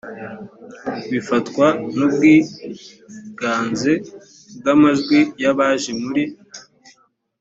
bifatwa n ubwiganze bw amajwi y abaje muri